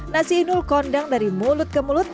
nasi inul kondang dari mulut ke mulut